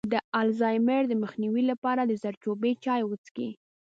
د الزایمر د مخنیوي لپاره د زردچوبې چای وڅښئ